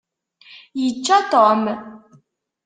Yečča Tom.